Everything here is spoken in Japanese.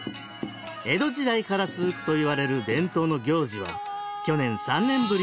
江戸時代から続くといわれる伝統の行事は去年３年ぶりに開催。